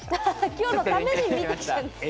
今日のために見てきたんですか。